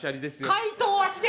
解凍はして！